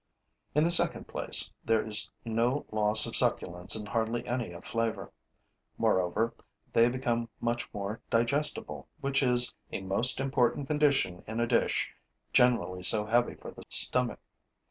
In the second place, there is no loss of succulence and hardly any of flavor. Moreover, they become much more digestible, which is a most important condition in a dish generally so heavy for the stomach.